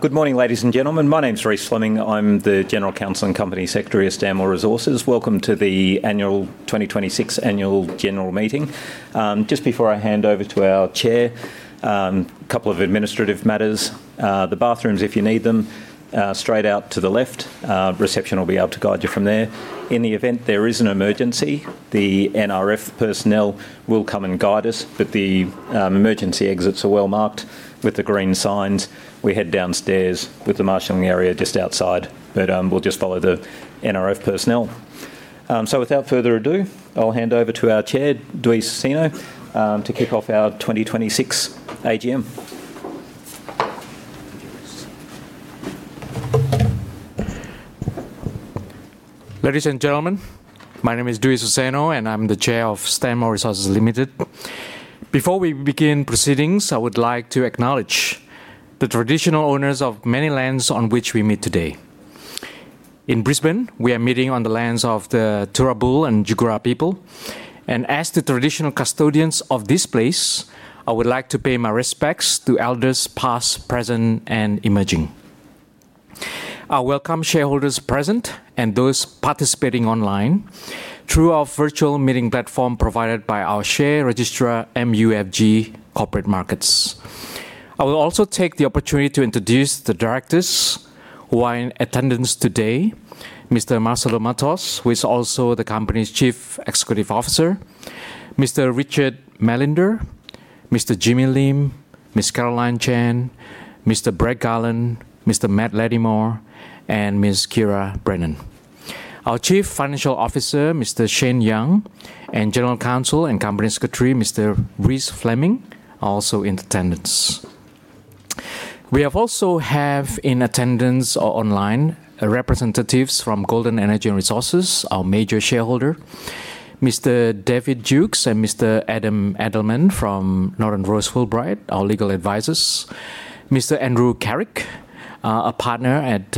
Good morning, ladies and gentlemen. My name's Rees Fleming. I'm the General Counsel and Company Secretary of Stanmore Resources. Welcome to the 2026 Annual General Meeting. Just before I hand over to our Chair, a couple of administrative matters. The bathrooms, if you need them, straight out to the left. Reception will be able to guide you from there. In the event there is an emergency, the NRF personnel will come and guide us. The emergency exits are well marked with the green signs. We head downstairs with the marshaling area just outside. We'll just follow the NRF personnel. Without further ado, I'll hand over to our Chair, Dwi Suseno, to kick off our 2026 AGM. Ladies and gentlemen, my name is Dwi Suseno, and I'm the chair of Stanmore Resources Limited. Before we begin proceedings, I would like to acknowledge the traditional owners of many lands on which we meet today. In Brisbane, we are meeting on the lands of the Turrbal and Jagera people. As the traditional custodians of this place, I would like to pay my respects to elders past, present, and emerging. I welcome shareholders present and those participating online through our virtual meeting platform provided by our share registrar, MUFG Corporate Markets. I will also take the opportunity to introduce the directors who are in attendance today. Mr. Marcelo Matos, who is also the company's Chief Executive Officer. Mr. Richard Majlinder, Mr. Jimmy Lim, Ms. Caroline Chan, Mr. Brett Garland, Mr. Matt Latimore, and Ms. Keira Brennan. Our chief financial officer, Mr. Shane Young, and general counsel and company secretary, Mr. Rees Fleming, are also in attendance. We also have in attendance online representatives from Golden Energy and Resources, our major shareholder. Mr. David Jewkes and Mr. Adam Edelman from Norton Rose Fulbright, our legal advisors. Mr. Andrew Carrick, a partner at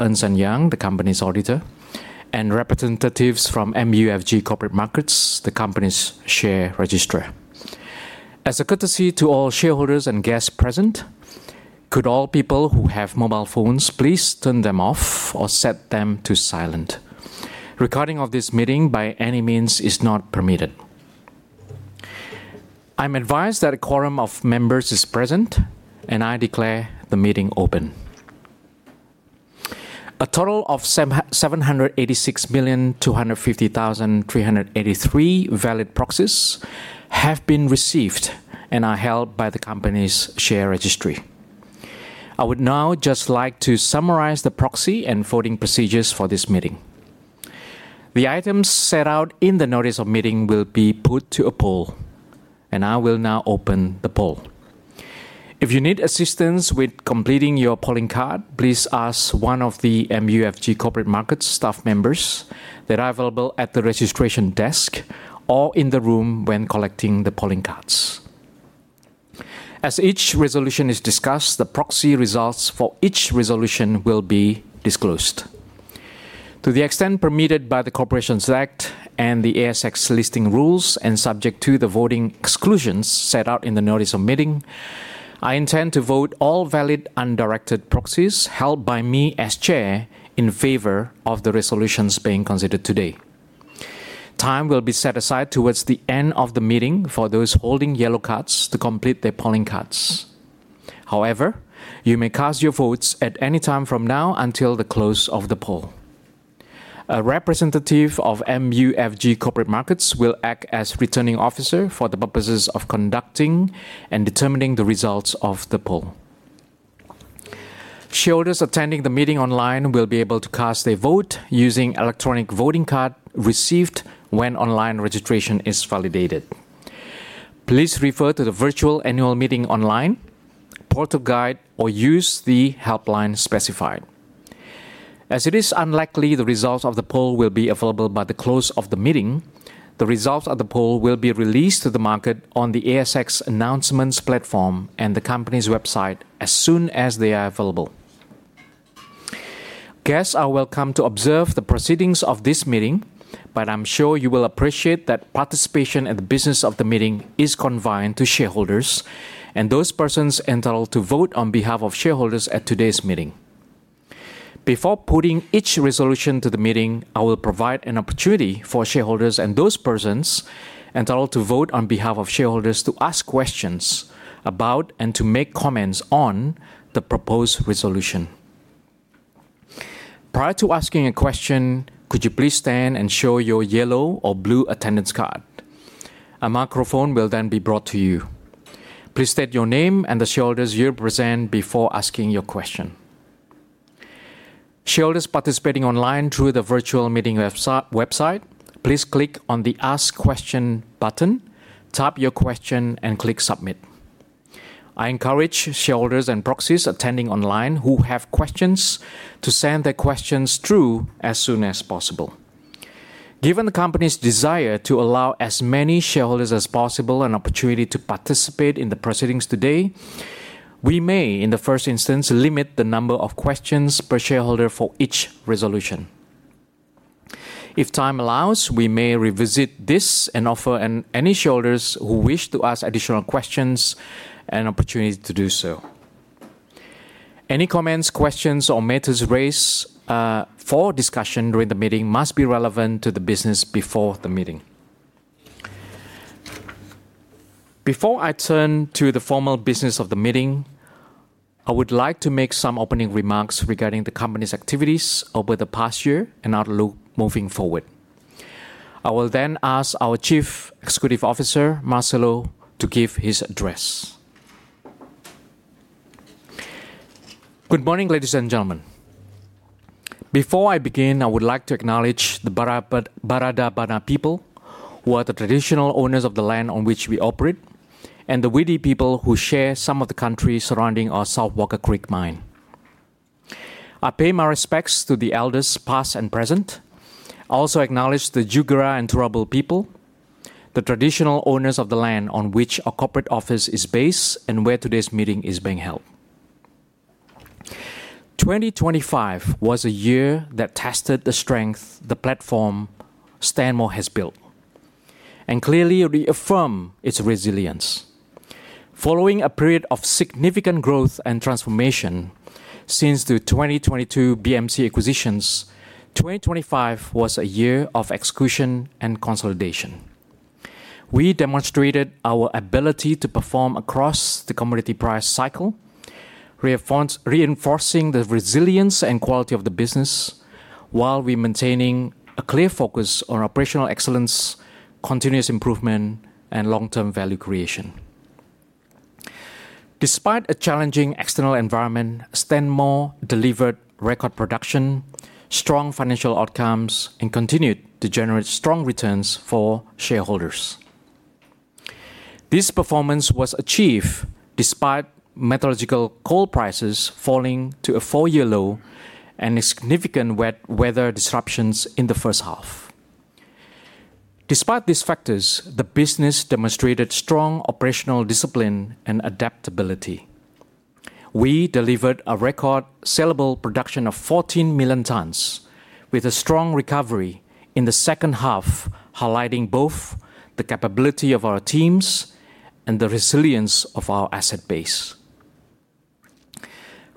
Ernst & Young, the company's auditor. Representatives from MUFG Corporate Markets, the company's share registrar. As a courtesy to all shareholders and guests present, could all people who have mobile phones please turn them off or set them to silent? Recording of this meeting by any means is not permitted. I'm advised that a quorum of members is present, and I declare the meeting open. A total of 786,250,383 valid proxies have been received and are held by the company's share registry. I would now just like to summarize the proxy and voting procedures for this meeting. The items set out in the notice of meeting will be put to a poll, and I will now open the poll. If you need assistance with completing your polling card, please ask one of the MUFG Corporate Markets staff members that are available at the registration desk or in the room when collecting the polling cards. As each resolution is discussed, the proxy results for each resolution will be disclosed. To the extent permitted by the Corporations Act and the ASX Listing Rules and subject to the voting exclusions set out in the notice of meeting, I intend to vote all valid undirected proxies held by me as chair in favor of the resolutions being considered today. Time will be set aside towards the end of the meeting for those holding yellow cards to complete their polling cards. However, you may cast your votes at any time from now until the close of the poll. A representative of MUFG Corporate Markets will act as returning officer for the purposes of conducting and determining the results of the poll. Shareholders attending the meeting online will be able to cast a vote using electronic voting card received when online registration is validated. Please refer to the virtual annual meeting online portal guide or use the helpline specified. As it is unlikely the results of the poll will be available by the close of the meeting, the results of the poll will be released to the market on the ASX announcements platform and the company's website as soon as they are available. Guests are welcome to observe the proceedings of this meeting, but I'm sure you will appreciate that participation in the business of the meeting is confined to shareholders and those persons entitled to vote on behalf of shareholders at today's meeting. Before putting each resolution to the meeting, I will provide an opportunity for shareholders and those persons entitled to vote on behalf of shareholders to ask questions about and to make comments on the proposed resolution. Prior to asking a question, could you please stand and show your yellow or blue attendance card? A microphone will then be brought to you. Please state your name and the shareholders you represent before asking your question. Shareholders participating online through the virtual meeting website, please click on the Ask Question button, type your question, and click Submit. I encourage shareholders and proxies attending online who have questions to send their questions through as soon as possible. Given the company's desire to allow as many shareholders as possible an opportunity to participate in the proceedings today, we may, in the first instance, limit the number of questions per shareholder for each resolution. If time allows, we may revisit this and offer any shareholders who wish to ask additional questions an opportunity to do so. Any comments, questions, or matters raised for discussion during the meeting must be relevant to the business before the meeting. Before I turn to the formal business of the meeting, I would like to make some opening remarks regarding the company's activities over the past year and our look moving forward. I will ask our chief executive officer, Marcelo, to give his address. Good morning, ladies and gentlemen. Before I begin, I would like to acknowledge the Barada Barna people who are the traditional owners of the land on which we operate, and the Widi people who share some of the country surrounding our South Walker Creek mine. I pay my respects to the elders past and present. I also acknowledge the Jagera and Turrbal people, the traditional owners of the land on which our corporate office is based and where today's meeting is being held. 2025 was a year that tested the strength the platform Stanmore has built, clearly reaffirmed its resilience. Following a period of significant growth and transformation since the 2022 BMC acquisitions, 2025 was a year of execution and consolidation. We demonstrated our ability to perform across the commodity price cycle, reinforcing the resilience and quality of the business while we maintaining a clear focus on operational excellence, continuous improvement, and long-term value creation. Despite a challenging external environment, Stanmore delivered record production, strong financial outcomes, and continued to generate strong returns for shareholders. This performance was achieved despite metallurgical coal prices falling to a four-year low and significant weather disruptions in the first half. Despite these factors, the business demonstrated strong operational discipline and adaptability. We delivered a record sellable production of 14 million tons with a strong recovery in the second half, highlighting both the capability of our teams and the resilience of our asset base.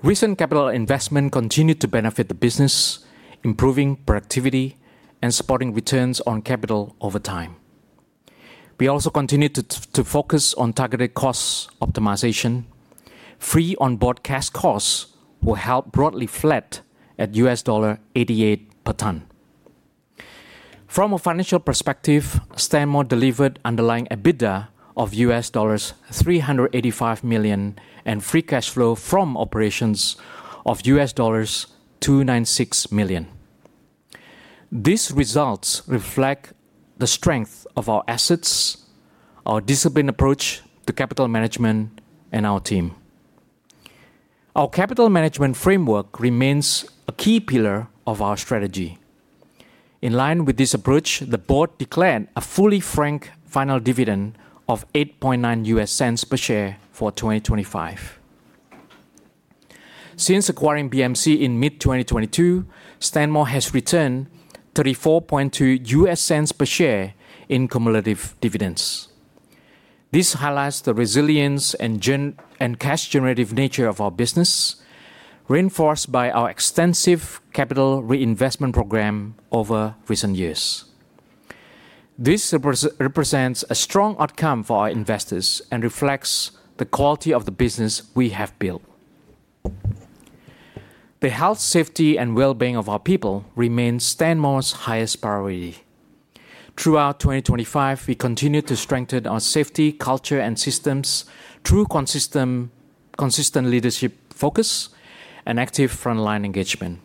Recent capital investment continued to benefit the business, improving productivity and supporting returns on capital over time. We also continued to focus on targeted cost optimization. Free on-board costs were held broadly flat at $88 per ton. From a financial perspective, Stanmore delivered underlying EBITDA of $385 million, and free cash flow from operations of $296 million. These results reflect the strength of our assets, our disciplined approach to capital management, and our team. Our capital management framework remains a key pillar of our strategy. In line with this approach, the board declared a fully frank final dividend of $0.089 per share for 2025. Since acquiring BMC in mid-2022, Stanmore has returned $0.342 per share in cumulative dividends. This highlights the resilience and cash generative nature of our business, reinforced by our extensive capital reinvestment program over recent years. This represents a strong outcome for our investors and reflects the quality of the business we have built. The health, safety, and wellbeing of our people remains Stanmore's highest priority. Throughout 2025, we continued to strengthen our safety culture and systems through consistent leadership focus and active frontline engagement.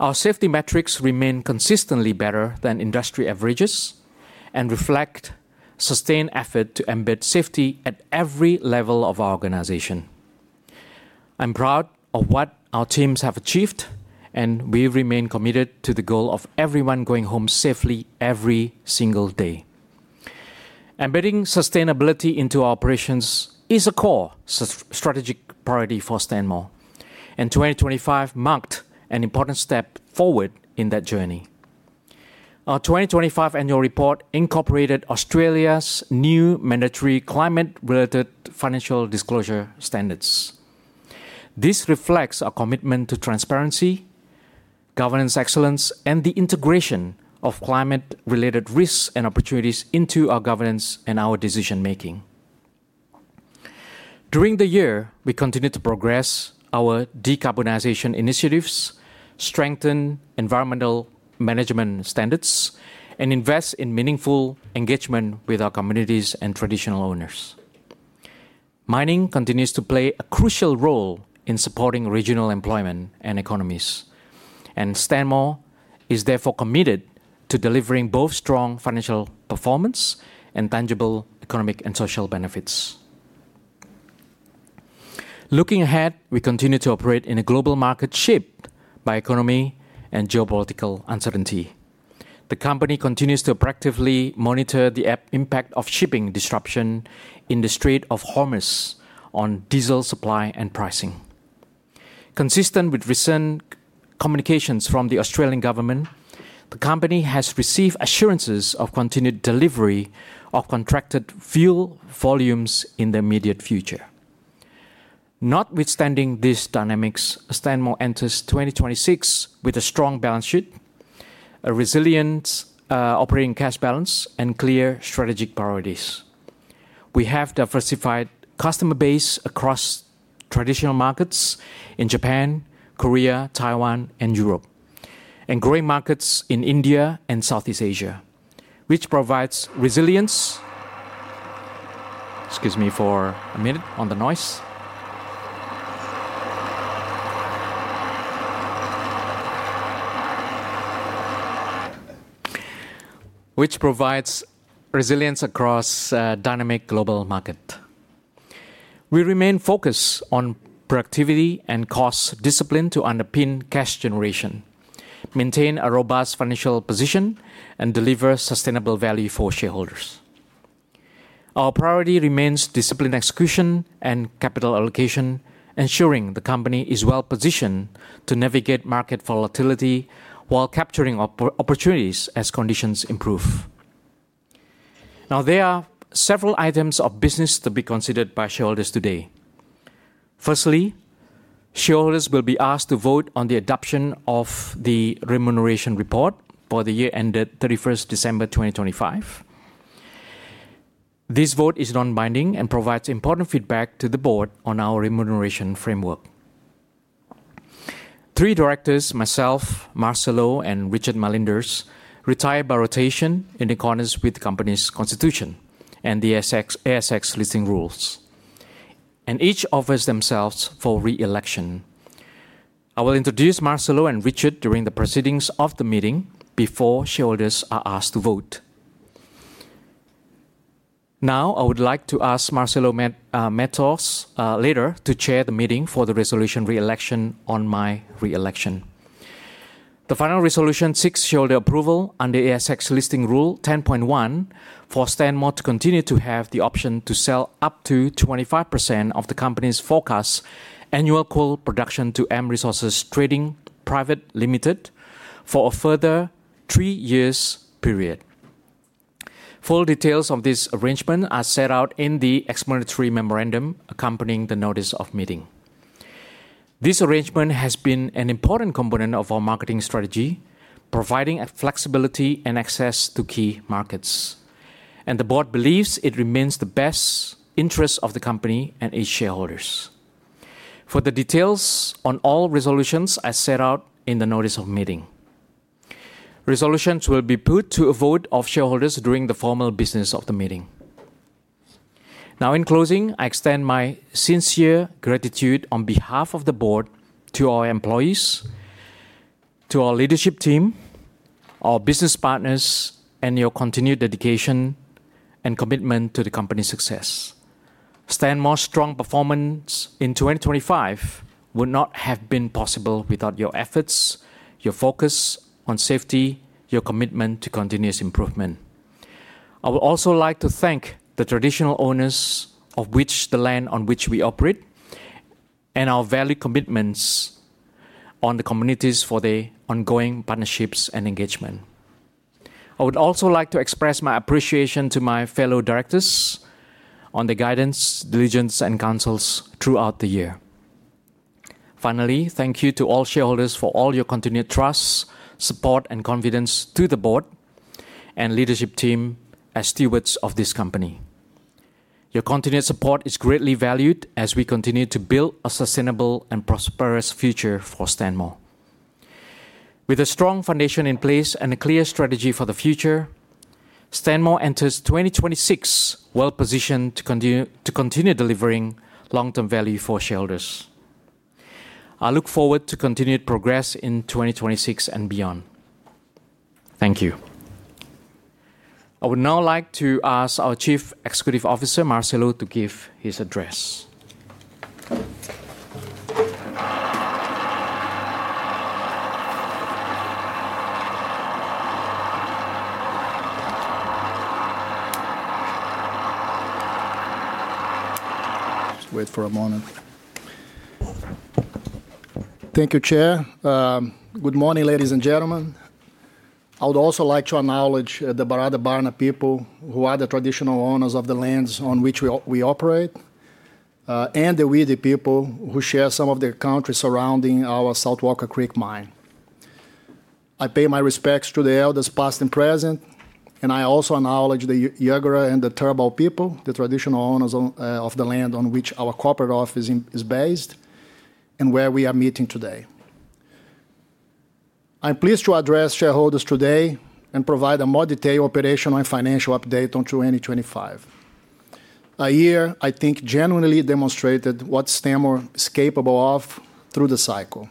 Our safety metrics remain consistently better than industry averages and reflect sustained effort to embed safety at every level of our organization. I'm proud of what our teams have achieved. We remain committed to the goal of everyone going home safely every single day. Embedding sustainability into our operations is a core strategic priority for Stanmore. 2025 marked an important step forward in that journey. Our 2025 annual report incorporated Australia's new mandatory climate-related financial disclosure standards. This reflects our commitment to transparency, governance excellence, and the integration of climate-related risks and opportunities into our governance and our decision-making. During the year, we continued to progress our decarbonization initiatives, strengthen environmental management standards, and invest in meaningful engagement with our communities and traditional owners. Mining continues to play a crucial role in supporting regional employment and economies, and Stanmore is therefore committed to delivering both strong financial performance and tangible economic and social benefits. Looking ahead, we continue to operate in a global market shaped by economic and geopolitical uncertainty. The company continues to proactively monitor the impact of shipping disruption in the Strait of Hormuz on diesel supply and pricing. Consistent with recent communications from the Australian government, the company has received assurances of continued delivery of contracted fuel volumes in the immediate future. Notwithstanding these dynamics, Stanmore enters 2026 with a strong balance sheet, a resilient operating cash balance, and clear strategic priorities. We have diversified customer base across traditional markets in Japan, Korea, Taiwan, and Europe, and growing markets in India and Southeast Asia, which provides resilience. Excuse me for a minute on the noise. Which provides resilience across a dynamic global market. We remain focused on productivity and cost discipline to underpin cash generation, maintain a robust financial position, and deliver sustainable value for shareholders. Our priority remains disciplined execution and capital allocation, ensuring the company is well-positioned to navigate market volatility while capturing opportunities as conditions improve. Now, there are several items of business to be considered by shareholders today. Firstly, shareholders will be asked to vote on the adoption of the remuneration report for the year ended 31st December 2025. This vote is non-binding and provides important feedback to the board on our remuneration framework. Three directors, myself, Marcelo, and Richard Majlinder, retire by rotation in accordance with the company's constitution and the ASX Listing Rules, and each offers themselves for re-election. I will introduce Marcelo and Richard during the proceedings of the meeting before shareholders are asked to vote. I would like to ask Marcelo Matos later to chair the meeting for the resolution re-election on my re-election. The final resolution seeks shareholder approval under ASX Listing Rule 10.1 for Stanmore to continue to have the option to sell up to 25% of the company's forecast annual coal production to M Resources Trading Pty Ltd for a further three years period. Full details of this arrangement are set out in the explanatory memorandum accompanying the notice of meeting. This arrangement has been an important component of our marketing strategy, providing a flexibility and access to key markets, the board believes it remains the best interest of the company and its shareholders. The details on all resolutions are set out in the notice of meeting. Resolutions will be put to a vote of shareholders during the formal business of the meeting. In closing, I extend my sincere gratitude on behalf of the board to our employees, to our leadership team, our business partners, and your continued dedication and commitment to the company's success. Stanmore's strong performance in 2025 would not have been possible without your efforts, your focus on safety, your commitment to continuous improvement. I would also like to thank the traditional owners of which the land on which we operate and our valued communities for their ongoing partnerships and engagement. I would also like to express my appreciation to my fellow directors on their guidance, diligence, and counsel throughout the year. Finally, thank you to all shareholders for all your continued trust, support, and confidence to the board and leadership team as stewards of this company. Your continued support is greatly valued as we continue to build a sustainable and prosperous future for Stanmore. With a strong foundation in place and a clear strategy for the future, Stanmore enters 2026 well-positioned to continue delivering long-term value for shareholders. I look forward to continued progress in 2026 and beyond. Thank you. I would now like to ask our Chief Executive Officer, Marcelo, to give his address. Just wait for a moment. Thank you, Chair. Good morning, ladies and gentlemen. I would also like to acknowledge the Barada Barna people, who are the traditional owners of the lands on which we operate, and the Widi people who share some of their country surrounding our South Walker Creek mine. I pay my respects to the elders past and present, and I also acknowledge the Yuggera and the Turrbal people, the traditional owners of the land on which our corporate office is based and where we are meeting today. I'm pleased to address shareholders today and provide a more detailed operational and financial update on 2025. A year I think genuinely demonstrated what Stanmore is capable of through the cycle.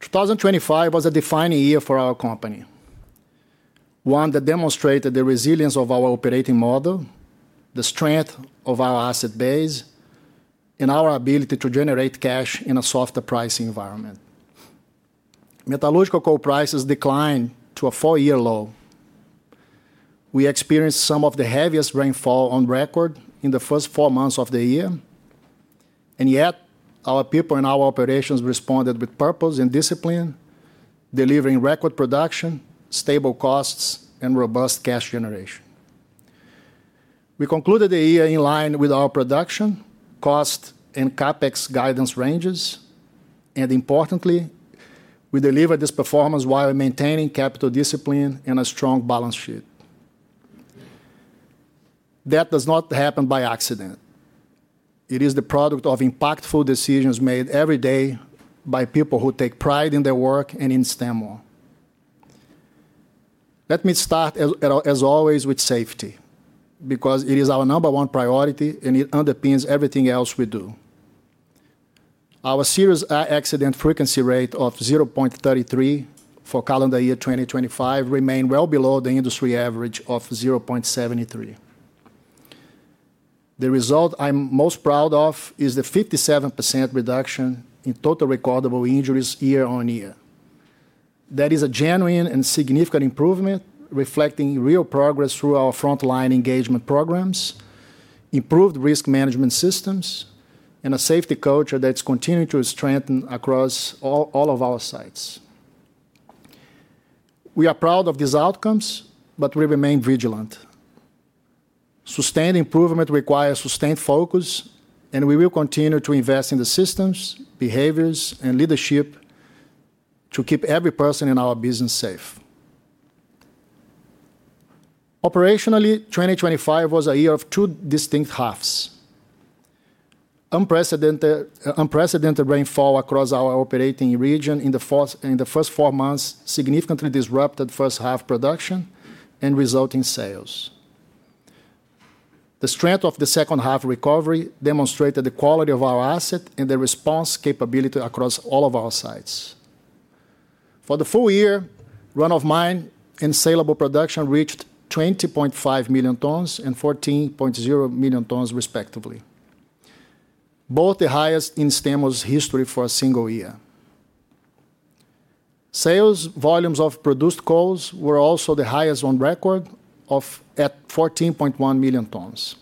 2025 was a defining year for our company. One that demonstrated the resilience of our operating model, the strength of our asset base, and our ability to generate cash in a softer pricing environment. Metallurgical coal prices declined to a four-year low. We experienced some of the heaviest rainfall on record in the first four months of the year. Our people and our operations responded with purpose and discipline, delivering record production, stable costs, and robust cash generation. We concluded the year in line with our production, cost, and CapEx guidance ranges, and importantly, we delivered this performance while maintaining capital discipline and a strong balance sheet. That does not happen by accident. It is the product of impactful decisions made every day by people who take pride in their work and in Stanmore. Let me start as always with safety, because it is our number one priority and it underpins everything else we do. Our serious accident frequency rate of 0.33 for calendar year 2025 remain well below the industry average of 0.73. The result I'm most proud of is the 57% reduction in total recordable injuries year-over-year. That is a genuine and significant improvement reflecting real progress through our frontline engagement programs, improved risk management systems, and a safety culture that's continuing to strengthen across all of our sites. We are proud of these outcomes. We remain vigilant. Sustained improvement requires sustained focus, and we will continue to invest in the systems, behaviors, and leadership to keep every person in our business safe. Operationally, 2025 was a year of two distinct halves. Unprecedented rainfall across our operating region in the first four months significantly disrupted first half production and resulting sales. The strength of the second half recovery demonstrated the quality of our asset and the response capability across all of our sites. For the full year, run-of-mine and saleable production reached 20.5 million tons and 14.0 million tons respectively. Both the highest in Stanmore's history for a single year. Sales volumes of produced coals were also the highest on record at 14.1 million tons.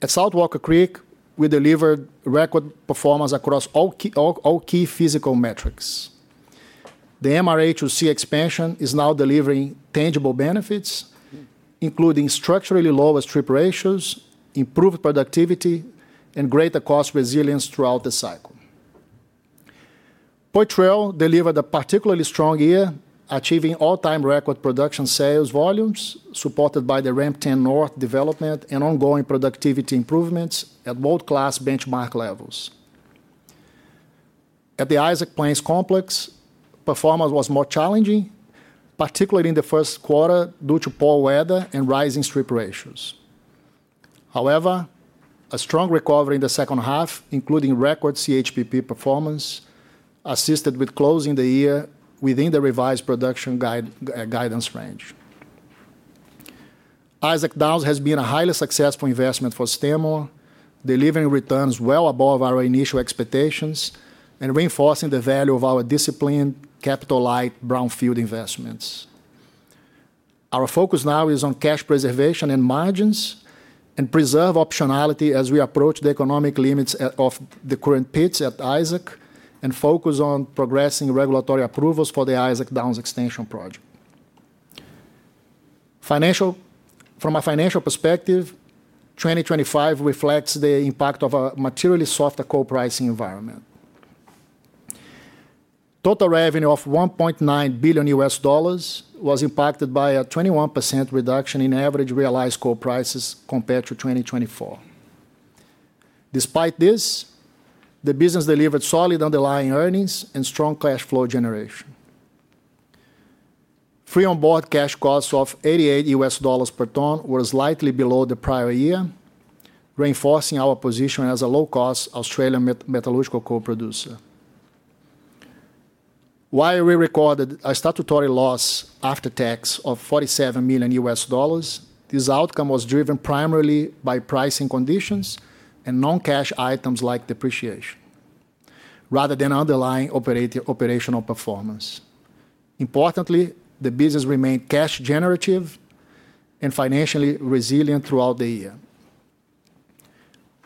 At South Walker Creek, we delivered record performance across all key physical metrics. The MRH2C expansion is now delivering tangible benefits, including structurally lower strip ratios, improved productivity, and greater cost resilience throughout the cycle. Poitrel delivered a particularly strong year, achieving all-time record production sales volumes supported by the Ramp 10 North development and ongoing productivity improvements at world-class benchmark levels. At the Isaac Plains complex, performance was more challenging, particularly in the first quarter due to poor weather and rising strip ratios. A strong recovery in the second half, including record CHPP performance, assisted with closing the year within the revised production guide, guidance range. Isaac Downs has been a highly successful investment for Stanmore, delivering returns well above our initial expectations and reinforcing the value of our disciplined capital-light brownfield investments. Our focus now is on cash preservation and margins and preserve optionality as we approach the economic limits of the current pits at Isaac and focus on progressing regulatory approvals for the Isaac Downs extension project. From a financial perspective, 2025 reflects the impact of a materially softer coal pricing environment. Total revenue of $1.9 billion was impacted by a 21% reduction in average realized coal prices compared to 2024. Despite this, the business delivered solid underlying earnings and strong cash flow generation. FOB cash costs of $88 per ton were slightly below the prior year, reinforcing our position as a low-cost Australian metallurgical coal producer. While we recorded a statutory loss after tax of $47 million, this outcome was driven primarily by pricing conditions and non-cash items like depreciation, rather than underlying operational performance. Importantly, the business remained cash generative and financially resilient throughout the year.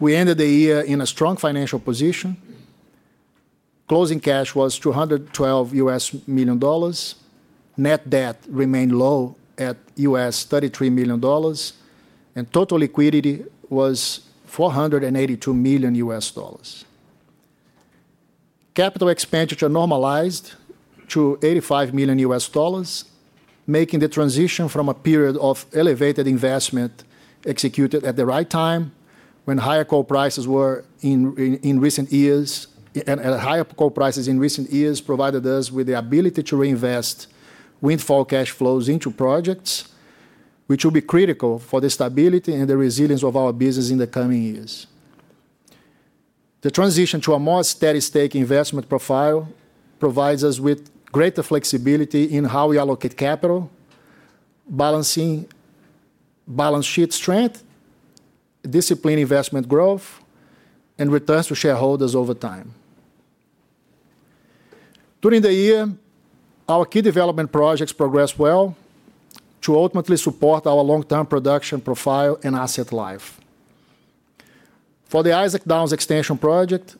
We ended the year in a strong financial position. Closing cash was $212 million. Net debt remained low at $33 million, and total liquidity was $482 million. CapEx normalized to $85 million, making the transition from a period of elevated investment executed at the right time when higher coal prices were in recent years, and higher coal prices in recent years provided us with the ability to reinvest windfall cash flows into projects, which will be critical for the stability and the resilience of our business in the coming years. The transition to a more steady-state investment profile provides us with greater flexibility in how we allocate capital, balancing balance sheet strength, discipline investment growth, and returns to shareholders over time. During the year, our key development projects progressed well to ultimately support our long-term production profile and asset life. For the Isaac Downs Extension Project,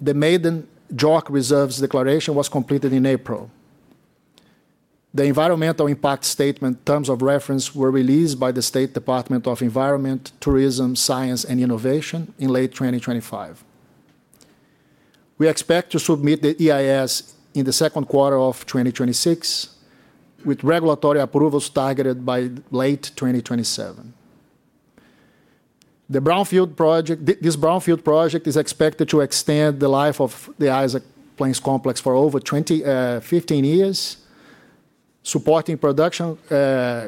the maiden JORC reserves declaration was completed in April. The environmental impact statement terms of reference were released by the State Department of the Environment, Tourism, Science and Innovation in late 2025. We expect to submit the EIS in the second quarter of 2026, with regulatory approvals targeted by late 2027. This Brownfield project is expected to extend the life of the Isaac Plains complex for over 15 years, supporting production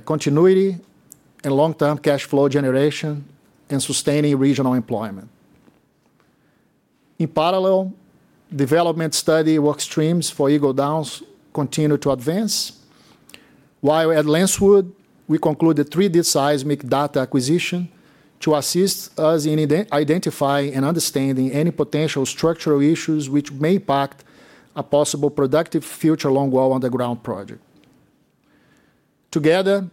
continuity and long-term cash flow generation and sustaining regional employment. In parallel, development study work streams for Eagle Downs continue to advance. While at Lancewood, we conclude the 3D seismic data acquisition to assist us in identifying and understanding any potential structural issues which may impact a possible productive future longwall underground project. Together,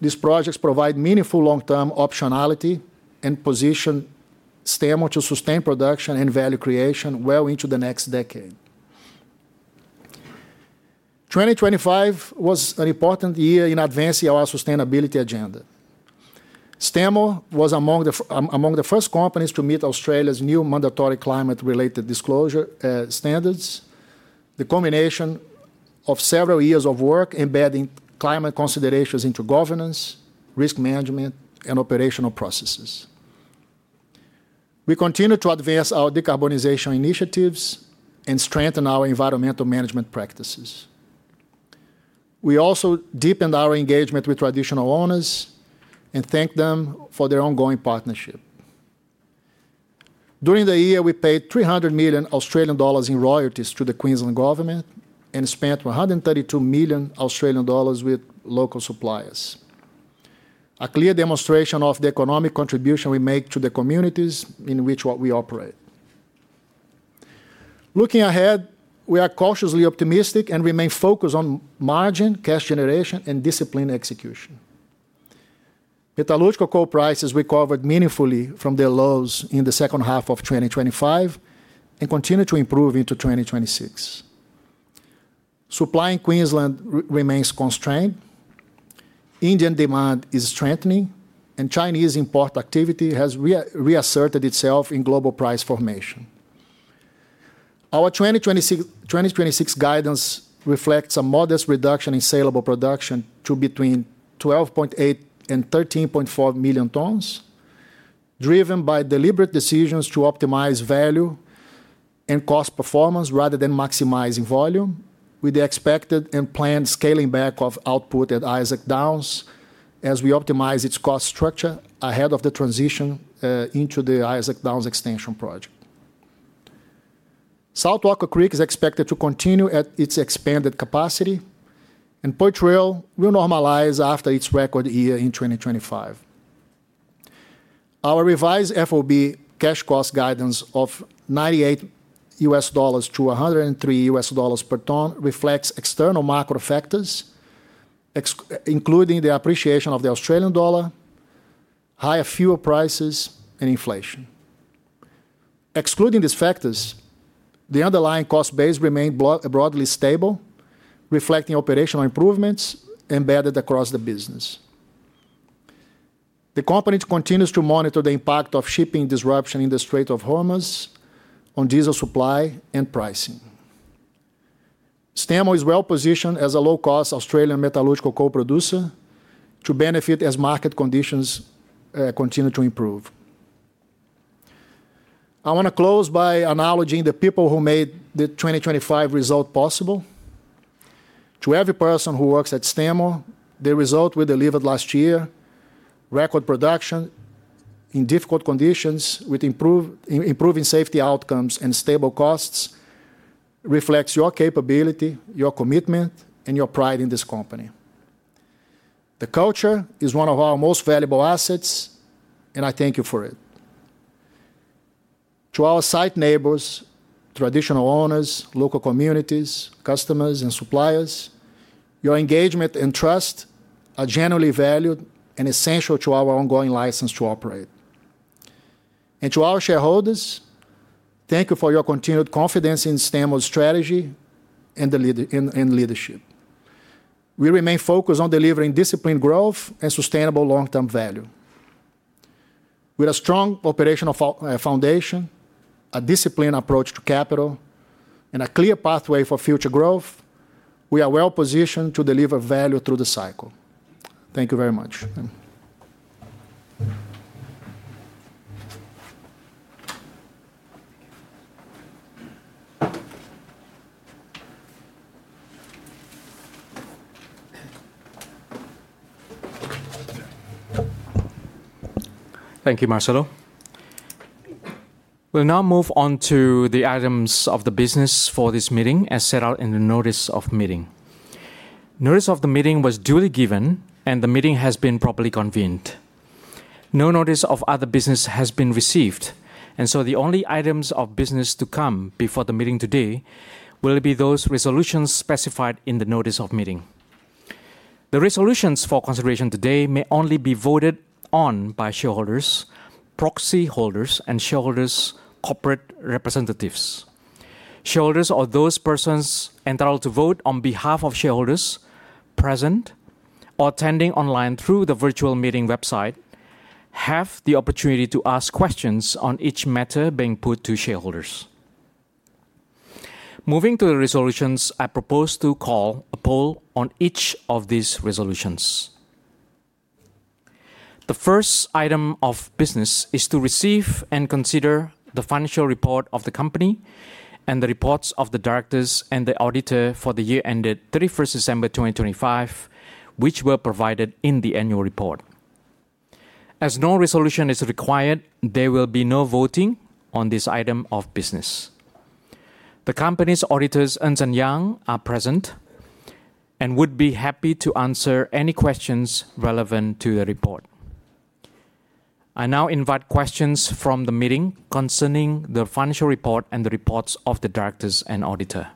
these projects provide meaningful long-term optionality and position Stanmore to sustain production and value creation well into the next decade. 2025 was an important year in advancing our sustainability agenda. Stanmore was among the first companies to meet Australia's new mandatory climate-related disclosure standards. The combination of several years of work embedding climate considerations into governance, risk management, and operational processes. We continue to advance our decarbonization initiatives and strengthen our environmental management practices. We also deepened our engagement with traditional owners and thank them for their ongoing partnership. During the year, we paid 300 million Australian dollars in royalties to the Queensland Government and spent 132 million Australian dollars with local suppliers. A clear demonstration of the economic contribution we make to the communities in which we operate. Looking ahead, we are cautiously optimistic and remain focused on margin, cash generation, and disciplined execution. Metallurgical coal prices recovered meaningfully from their lows in the second half of 2025 and continue to improve into 2026. Supply in Queensland remains constrained. Indian demand is strengthening. Chinese import activity has reasserted itself in global price formation. Our 2026 guidance reflects a modest reduction in sellable production to between 12.8 and 13.4 million tons, driven by deliberate decisions to optimize value and cost performance rather than maximizing volume with the expected and planned scaling back of output at Isaac Downs as we optimize its cost structure ahead of the transition into the Isaac Downs Extension project. South Walker Creek is expected to continue at its expanded capacity. Poitrel will normalize after its record year in 2025. Our revised FOB cash cost guidance of $98-$103 per ton reflects external macro factors, including the appreciation of the Australian dollar, higher fuel prices, and inflation. Excluding these factors, the underlying cost base remained broadly stable, reflecting operational improvements embedded across the business. The company continues to monitor the impact of shipping disruption in the Strait of Hormuz on diesel supply and pricing. Stanmore is well-positioned as a low-cost Australian metallurgical coal producer to benefit as market conditions continue to improve. I wanna close by acknowledging the people who made the 2025 result possible. To every person who works at Stanmore, the result we delivered last year, record production in difficult conditions with improving safety outcomes and stable costs, reflects your capability, your commitment, and your pride in this company. The culture is one of our most valuable assets, and I thank you for it. To our site neighbors, traditional owners, local communities, customers and suppliers, your engagement and trust are genuinely valued and essential to our ongoing license to operate. To our shareholders, thank you for your continued confidence in Stanmore's strategy and in leadership. We remain focused on delivering disciplined growth and sustainable long-term value. With a strong operational foundation, a disciplined approach to capital, and a clear pathway for future growth, we are well-positioned to deliver value through the cycle. Thank you very much. Thank you, Marcelo. We'll now move on to the items of the business for this meeting as set out in the notice of meeting. Notice of the meeting was duly given, and the meeting has been properly convened. No notice of other business has been received. The only items of business to come before the meeting today will be those resolutions specified in the notice of meeting. The resolutions for consideration today may only be voted on by shareholders, proxy holders, and shareholders' corporate representatives. Shareholders or those persons entitled to vote on behalf of shareholders present or attending online through the virtual meeting website have the opportunity to ask questions on each matter being put to shareholders. Moving to the resolutions, I propose to call a poll on each of these resolutions. The first item of business is to receive and consider the financial report of the company and the reports of the directors and the auditor for the year ended 31st December, 2025, which were provided in the annual report. As no resolution is required, there will be no voting on this item of business. The company's auditors, Ernst & Young, are present and would be happy to answer any questions relevant to the report. I now invite questions from the meeting concerning the financial report and the reports of the directors and auditor.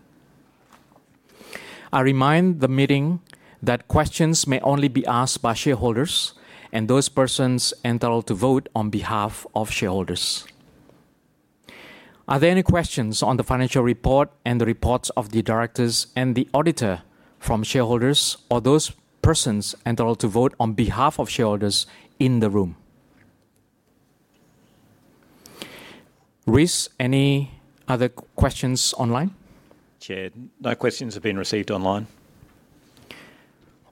I remind the meeting that questions may only be asked by shareholders and those persons entitled to vote on behalf of shareholders. Are there any questions on the financial report and the reports of the directors and the auditor from shareholders or those persons entitled to vote on behalf of shareholders in the room? Rees, any other questions online? Chair, no questions have been received online.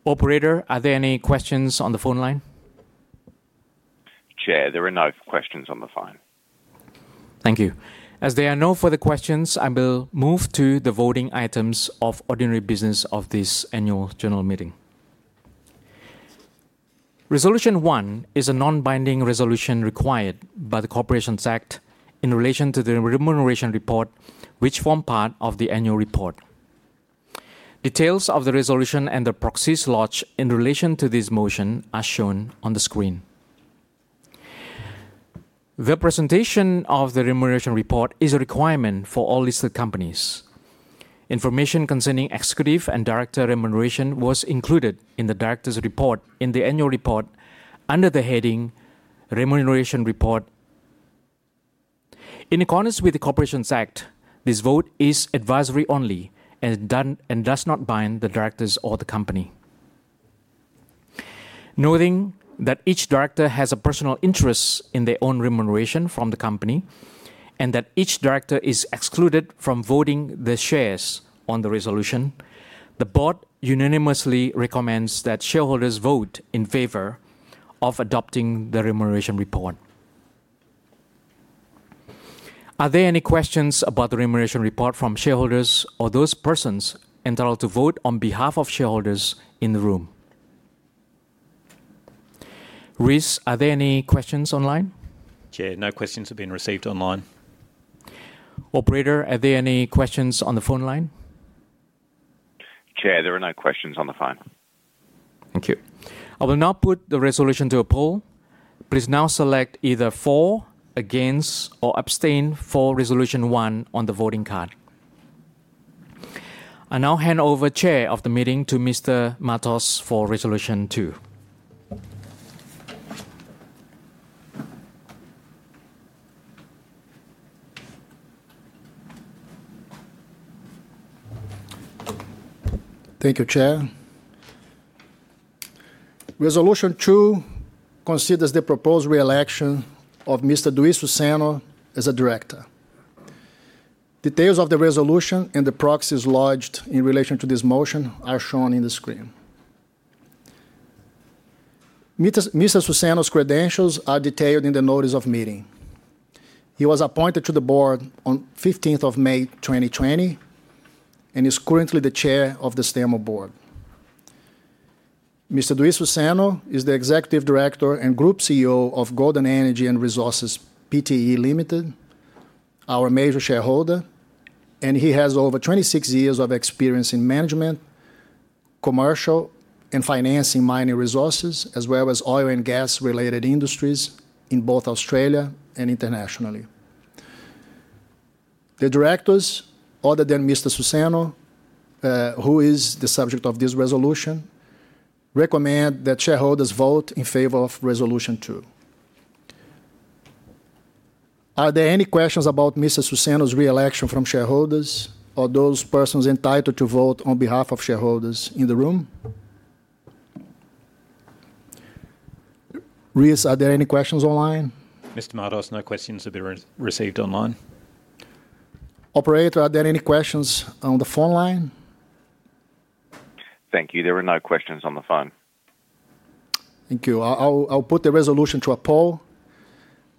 Operator, are there any questions on the phone line? Chair, there are no questions on the phone. Thank you. As there are no further questions, I will move to the voting items of ordinary business of this annual general meeting. Resolution one is a non-binding resolution required by the Corporations Act in relation to the Remuneration Report, which form part of the Annual Report. Details of the resolution and the proxies lodged in relation to this motion are shown on the screen. The presentation of the Remuneration Report is a requirement for all listed companies. Information concerning executive and director remuneration was included in the Directors' Report in the Annual Report under the heading Remuneration Report. In accordance with the Corporations Act, this vote is advisory only and does not bind the directors or the company. Noting that each director has a personal interest in their own remuneration from the company and that each director is excluded from voting the shares on the resolution, the board unanimously recommends that shareholders vote in favor of adopting the remuneration report. Are there any questions about the remuneration report from shareholders or those persons entitled to vote on behalf of shareholders in the room? Rees, are there any questions online? Chair, no questions have been received online. Operator, are there any questions on the phone line? Chair, there are no questions on the phone. Thank you. I will now put the resolution to a poll. Please now select either for, against, or abstain for Resolution 1 on the voting card. I now hand over Chair of the meeting to Mr. Matos for Resolution 2. Thank you, Chair. Resolution 2 considers the proposed re-election of Mr. Dwi Suseno as a director. Details of the resolution and the proxies lodged in relation to this motion are shown in the screen. Mr. Suseno's credentials are detailed in the notice of meeting. He was appointed to the board on 15th of May 2020 and is currently the Chair of the Stanmore board. Mr. Dwi Suseno is the Executive Director and Group CEO of Golden Energy and Resources Pte. Ltd., our major shareholder, and he has over 26 years of experience in management, commercial, and financing mining resources as well as oil and gas-related industries in both Australia and internationally. The directors, other than Mr. Suseno, who is the subject of this resolution, recommend that shareholders vote in favor of Resolution 2. Are there any questions about Mr. Suseno's re-election from shareholders or those persons entitled to vote on behalf of shareholders in the room? Rees, are there any questions online? Mr. Matos, no questions have been received online. Operator, are there any questions on the phone line? Thank you. There are no questions on the phone. Thank you. I'll put the resolution to a poll.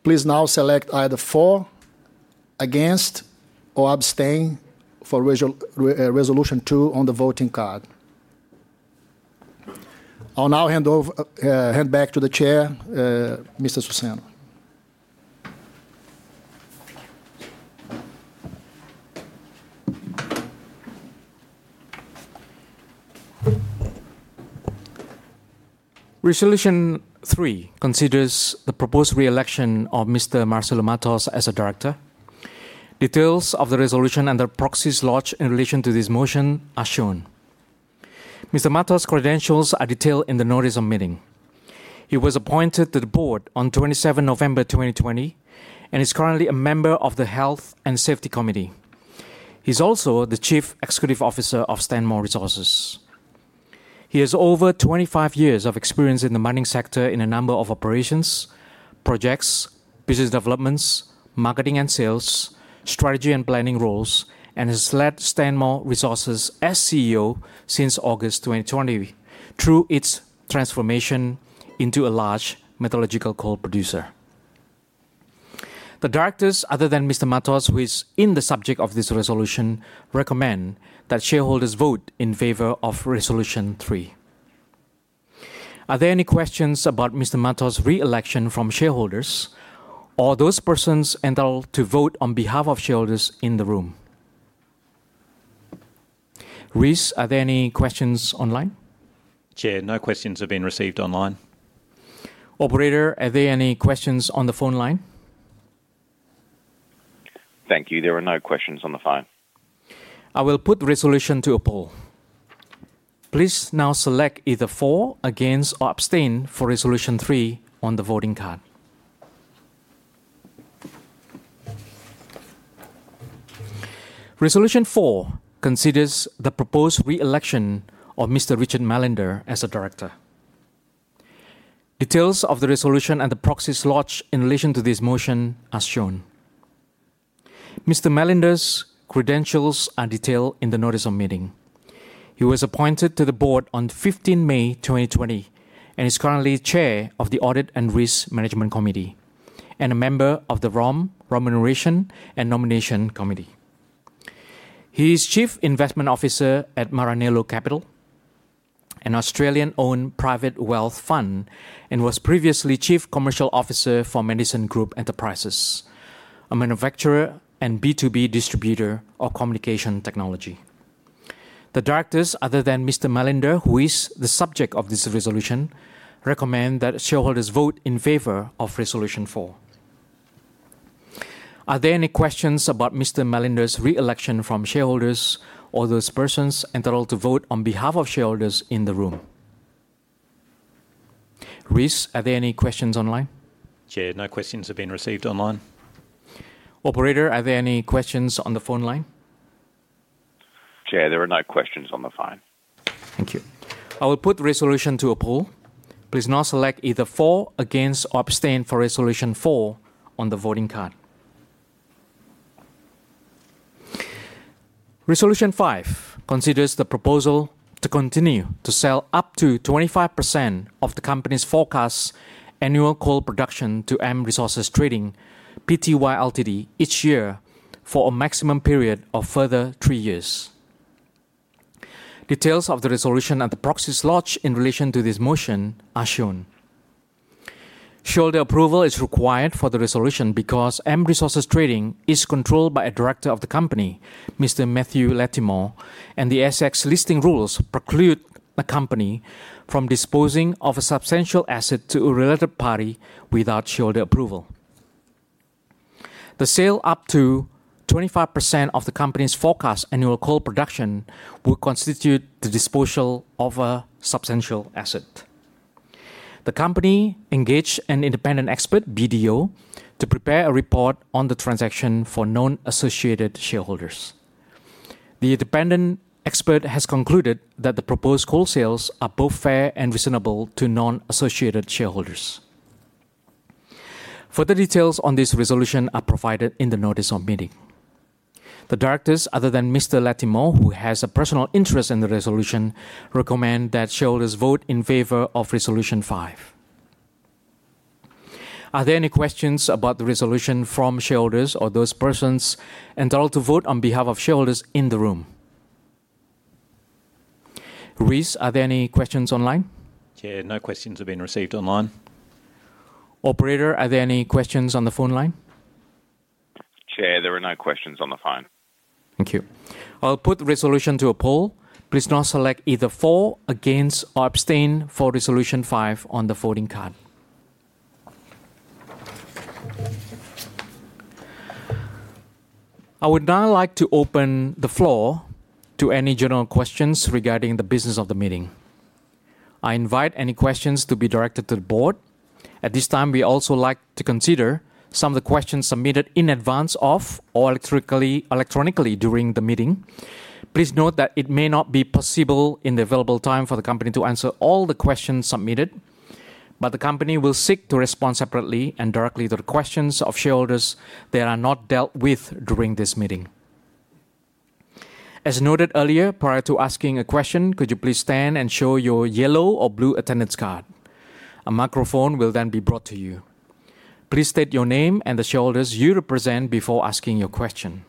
Please now select either for, against, or abstain for Resolution 2 on the voting card. I'll now hand over, hand back to the chair, Mr. Suseno. Resolution 3 considers the proposed re-election of Mr. Marcelo Matos as a director. Details of the resolution and the proxies lodged in relation to this motion are shown. Mr. Matos' credentials are detailed in the notice of meeting. He was appointed to the board on 27 November 2020 and is currently a member of the Health and Safety Committee. He's also the Chief Executive Officer of Stanmore Resources. He has over 25 years of experience in the mining sector in a number of operations, projects, business developments, marketing and sales, strategy and planning roles, and has led Stanmore Resources as CEO since August 2020 through its transformation into a large metallurgical coal producer. The directors other than Mr. Matos, who is in the subject of this resolution, recommend that shareholders vote in favor of Resolution 3. Are there any questions about Mr. Matos' re-election from shareholders or those persons entitled to vote on behalf of shareholders in the room? Rees, are there any questions online? Chair, no questions have been received online. Operator, are there any questions on the phone line? Thank you. There are no questions on the phone. I will put resolution to a poll. Please now select either for, against, or abstain for Resolution 3 on the voting card. Resolution 4 considers the proposed re-election of Mr. Richard Majlinder as a director. Details of the resolution and the proxies lodged in relation to this motion are shown. Mr. Majlinder's credentials are detailed in the notice of meeting. He was appointed to the board on 15 May 2020 and is currently chair of the Audit and Risk Management Committee and a member of the Remuneration and Nomination Committee. He is chief investment officer at Maranello Capital, an Australian-owned private wealth fund, and was previously chief commercial officer for Madison Group Enterprises, a manufacturer and B2B distributor of communication technology. The directors other than Mr. Majlinder, who is the subject of this resolution, recommend that shareholders vote in favor of Resolution 4. Are there any questions about Mr. Majlinder's re-election from shareholders or those persons entitled to vote on behalf of shareholders in the room? Rees, are there any questions online? Chair, no questions have been received online. Operator, are there any questions on the phone line? Chair, there are no questions on the phone. Thank you. I will put Resolution to a poll. Please now select either for, against, or abstain for Resolution 4 on the voting card. Resolution 5 considers the proposal to continue to sell up to 25% of the company's forecast annual coal production to M Resources Trading Pty Ltd each year for a maximum period of further three years. Details of the resolution and the proxies lodged in relation to this motion are shown. Shareholder approval is required for the resolution because M Resources Trading is controlled by a director of the company, Mr. Matthew Latimore, and the ASX Listing Rules preclude a company from disposing of a substantial asset to a related party without shareholder approval. The sale up to 25% of the company's forecast annual coal production will constitute the disposal of a substantial asset. The company engaged an independent expert, BDO, to prepare a report on the transaction for non-associated shareholders. The independent expert has concluded that the proposed coal sales are both fair and reasonable to non-associated shareholders. Further details on this resolution are provided in the notice of meeting. The directors other than Mr. Latimore, who has a personal interest in the resolution, recommend that shareholders vote in favor of Resolution 5. Are there any questions about the resolution from shareholders or those persons entitled to vote on behalf of shareholders in the room? Rees, are there any questions online? Chair, no questions have been received online. Operator, are there any questions on the phone line? Chair, there are no questions on the phone. Thank you. I'll put resolution to a poll. Please now select either for, against, or abstain for Resolution 5 on the voting card. I would now like to open the floor to any general questions regarding the business of the meeting. I invite any questions to be directed to the board. At this time, we also like to consider some of the questions submitted in advance of or electronically during the meeting. Please note that it may not be possible in the available time for the company to answer all the questions submitted, but the company will seek to respond separately and directly to the questions of shareholders that are not dealt with during this meeting. As noted earlier, prior to asking a question, could you please stand and show your yellow or blue attendance card? A microphone will then be brought to you. Please state your name and the shareholders you represent before asking your question.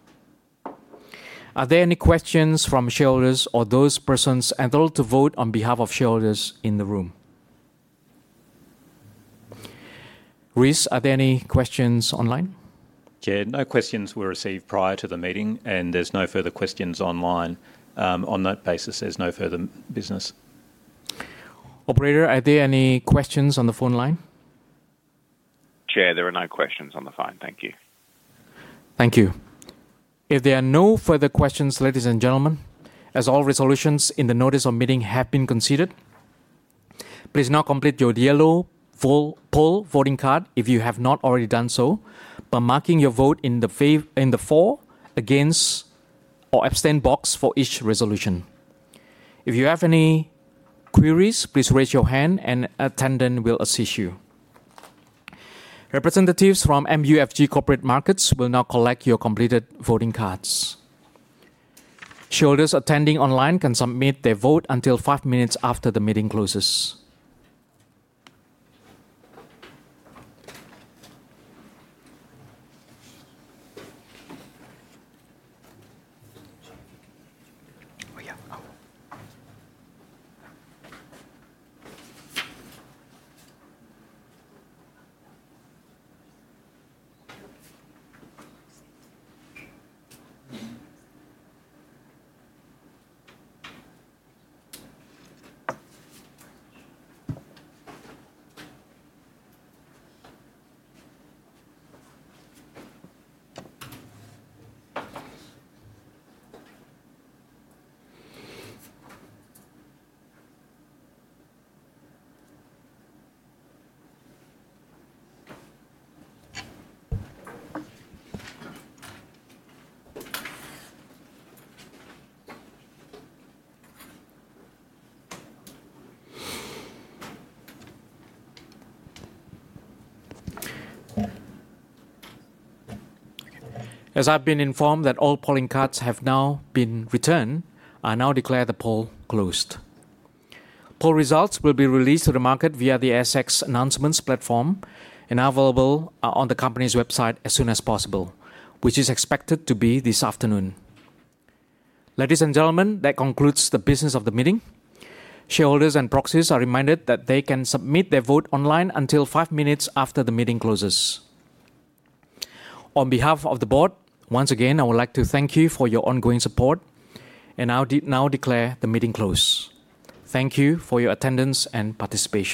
Are there any questions from shareholders or those persons entitled to vote on behalf of shareholders in the room? Rees, are there any questions online? Chair, no questions were received prior to the meeting, and there's no further questions online. On that basis, there's no further business. Operator, are there any questions on the phone line? Chair, there are no questions on the phone. Thank you. Thank you. If there are no further questions, ladies and gentlemen, as all resolutions in the notice of meeting have been considered, please now complete your yellow full poll voting card if you have not already done so by marking your vote in the for, against, or abstain box for each resolution. If you have any queries, please raise your hand and attendant will assist you. Representatives from MUFG Corporate Markets will now collect your completed voting cards. Shareholders attending online can submit their vote until five minutes after the meeting closes. Oh, yeah. Oh. As I've been informed that all polling cards have now been returned, I now declare the poll closed. Poll results will be released to the market via the ASX announcements platform and available, on the company's website as soon as possible, which is expected to be this afternoon. Ladies and gentlemen, that concludes the business of the meeting. Shareholders and proxies are reminded that they can submit their vote online until five minutes after the meeting closes. On behalf of the board, once again, I would like to thank you for your ongoing support and now declare the meeting closed. Thank you for your attendance and participation.